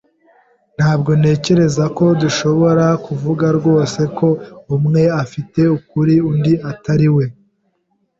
Ntabwo ntekereza ko dushobora kuvuga rwose ko umwe afite ukuri undi atari we.